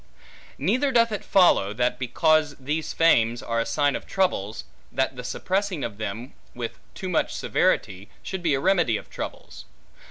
Neither doth it follow, that because these fames are a sign of troubles, that the suppressing of them with too much severity, should be a remedy of troubles.